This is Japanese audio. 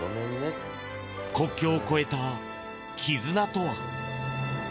国境を越えた絆とは？